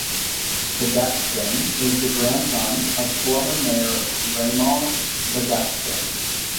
Bagatsing is the grandson of former Mayor Ramon Bagatsing.